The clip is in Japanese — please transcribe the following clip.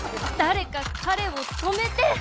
誰か彼を止めて！